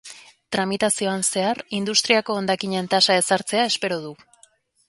Tramitazioan zehar industriako hondakinen tasa ezartzea espero du.